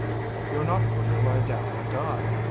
You're not going to lie down and die.